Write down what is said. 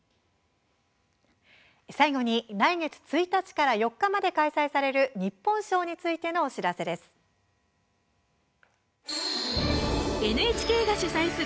最後に来月１日から４日まで開催される日本賞についてのお知らせです。